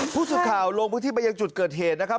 ผู้สื่อข่าวลงพื้นที่ไปยังจุดเกิดเหตุนะครับ